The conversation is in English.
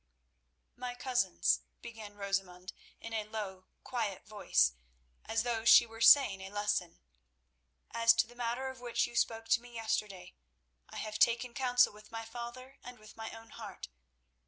"My cousins," began Rosamund in a low, quiet voice, as though she were saying a lesson, "as to the matter of which you spoke to me yesterday, I have taken counsel with my father and with my own heart.